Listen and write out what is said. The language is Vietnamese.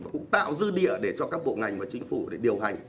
cũng tạo dư địa để cho các bộ ngành và chính phủ để điều hành